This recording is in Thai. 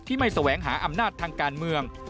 ไม่แสวงหาอำนาจทางการเมือง